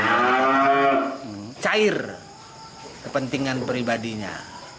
yang penting adalah kepentingan pribadinya